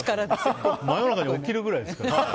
真夜中に起きるぐらいですから。